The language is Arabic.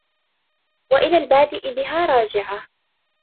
وَإِلَى الْبَادِئِ بِهَا رَاجِعَةٌ